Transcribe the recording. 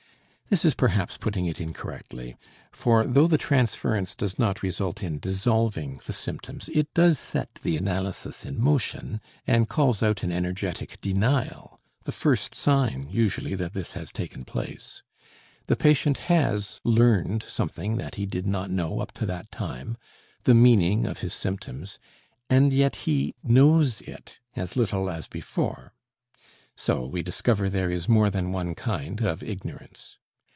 This is perhaps putting it incorrectly, for though the transference does not result in dissolving the symptoms, it does set the analysis in motion, and calls out an energetic denial, the first sign usually that this has taken place. The patient has learned something that he did not know up to that time, the meaning of his symptoms, and yet he knows it as little as before. So we discover there is more than one kind of ignorance.